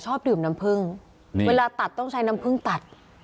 ชอบดื่มน้ำผึ้งเวลาตัดต้องใช้น้ำผึ้งตัด